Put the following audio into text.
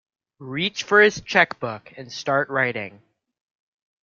Reach for his cheque-book and start writing.